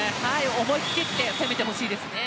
思い切って攻めてほしいです。